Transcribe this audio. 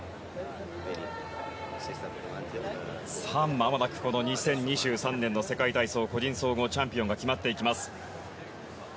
まもなくこの２０２３年の世界体操個人総合チャンピオンが決まっていきます。